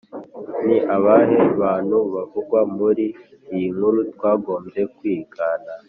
Ni abahe bantu bavugwa muri iyi nkuru twagombye kwigana